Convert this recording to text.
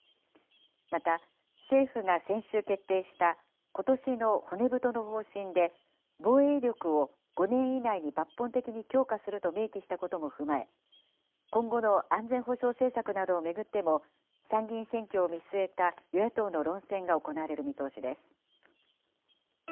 また、政府が先週決定したことしの骨太の方針で、防衛力を５年以内に抜本的に強化すると明記したことも踏まえ、今後の安全保障政策などを巡っても、参議院選挙を見据えた与野党の論戦が行われる見通しです。